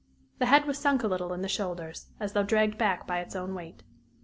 The head was sunk a little in the shoulders, as though dragged back by its own weight.